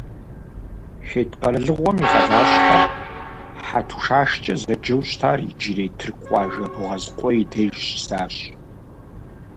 Хетт къэралыгъуэм и къалащхьэр, Хьэтушашкӏэ зэджэу щытар, иджырей тырку къуажэ Богъазкъуей деж щысащ.